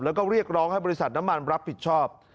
แล้วก็เรียกร้องให้บริษัทน้ำมันรับผิดชอบ